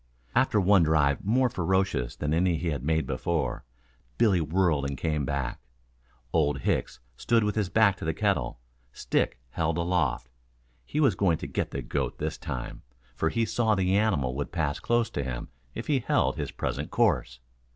After one drive more ferocious than any he had made before, Billy whirled and came back. Old Hicks stood with his back to the kettle, stick held aloft. He was going to get the goat this time, for he saw the animal would pass close to him if he held his present course.